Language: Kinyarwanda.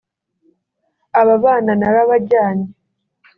abana narabajyanye